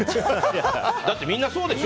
だって、みんなそうでしょ。